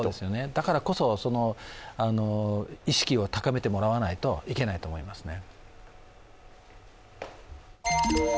だからこそ、意識を高めてもらわないといけないと思いますね。